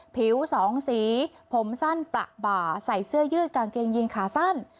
ผิวสองสีผมสั้นประบ่าใส่เสื้อยืดกางเกงยีนขาสั้น